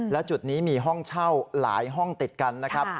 และจุดนี้มีห้องเช่าหลายห้องติดกันนะครับ